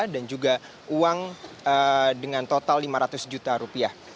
dan juga uang dengan total lima ratus juta rupiah